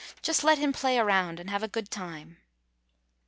Just let him play around and have a good time.